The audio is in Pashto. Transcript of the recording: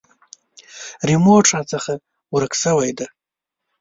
ریموټ راڅخه ورک شوی دی .